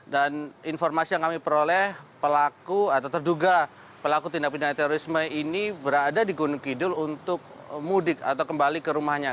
dan informasi yang kami peroleh pelaku atau terduga pelaku tindak pindahan terorisme ini berada di gunung kidul untuk mudik atau kembali ke rumahnya